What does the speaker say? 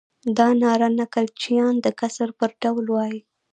دا ناره نکل چیان د کسر پر ډول وایي.